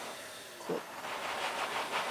窟